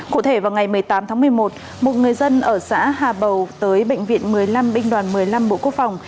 cụ thể vào ngày một mươi tám tháng một mươi một một người dân ở xã hà bầu tới bệnh viện một mươi năm binh đoàn một mươi năm bộ quốc phòng